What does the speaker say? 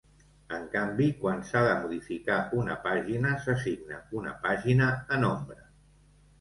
En canvi, quan s'ha de modificar una pàgina, s'assigna una pàgina en ombra.